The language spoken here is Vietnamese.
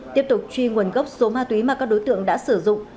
tiếp tục truy nguồn gốc số ma túy mà các đối tượng đã sử dụng